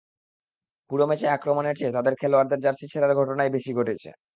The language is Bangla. পুরো ম্যাচে আক্রমণের চেয়ে তাদের খেলোয়াড়দের জার্সি ছেঁড়ার ঘটনাই বেশি ঘটেছে।